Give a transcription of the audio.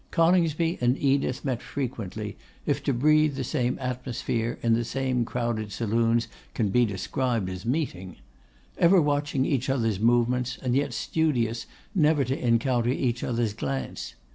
Coningsby and Edith met frequently, if to breathe the same atmosphere in the same crowded saloons can be described as meeting; ever watching each other's movements, and yet studious never to encounter each other's glance.